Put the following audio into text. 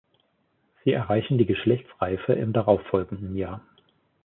Sie erreichen die Geschlechtsreife im darauf folgenden Jahr.